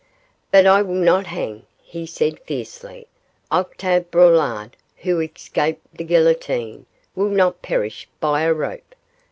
'But I will not hang,' he said, fiercely; 'Octave Braulard, who escaped the guillotine, will not perish by a rope.